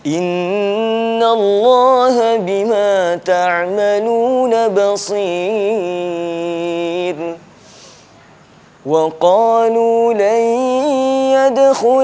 inna allaha bima ta'maluna barakatuhu